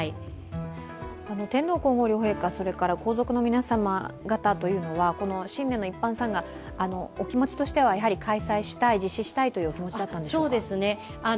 天皇皇后両陛下、皇族の皆様方というのは新年一般参賀、お気持ちとしては、やはり開催したい実施したいというお気持ちだったんでしょうか？